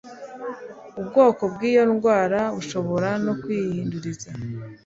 Ubwoko bwiyo ndwara bushobora no kwihinduriza